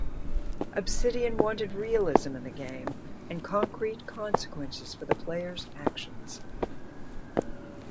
Obsidian wanted realism in the game and concrete consequences for the player's actions.